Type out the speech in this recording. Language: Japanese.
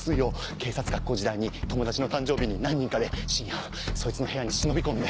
警察学校時代に友達の誕生日に何人かで深夜そいつの部屋に忍び込んで。